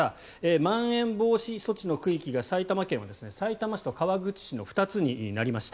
まん延防止措置の区域が埼玉県はさいたま市と川口市の２つになりました。